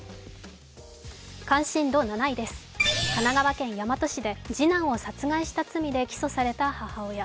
関心度７位です、神奈川県大和市で次男を殺害した罪で起訴された母親。